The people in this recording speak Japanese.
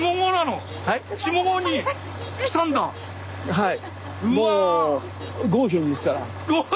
はい。